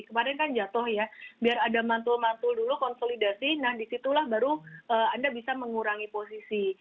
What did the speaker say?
kemarin kan jatuh ya biar ada mantul mantul dulu konsolidasi nah disitulah baru anda bisa mengurangi posisi